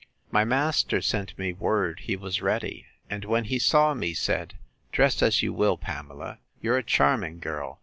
My master sent me word he was ready; and when he saw me, said, Dress as you will, Pamela, you're a charming girl!